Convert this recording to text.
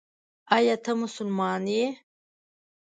ایا ته مسلمان یې ؟